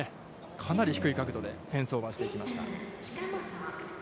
かなり低い角度でフェンスオーバーしていきました。